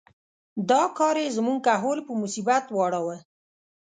دا کار یې زموږ کهول په مصیبت واړاوه.